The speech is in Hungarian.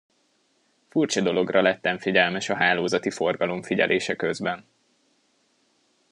Furcsa dologra lettem figyelmes a hálózati forgalom figyelése közben.